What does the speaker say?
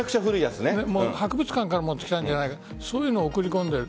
博物館から持ってきたんじゃないかというのを送り込んでいる。